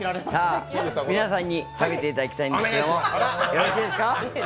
皆さんに食べていただきたいんですけど、よろしいですか？